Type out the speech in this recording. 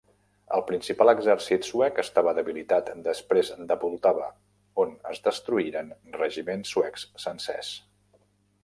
El principal exèrcit suec estava debilitat després de Poltava, on es destruïren regiments suecs sencers.